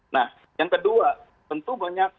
nah yang kedua tentu banyak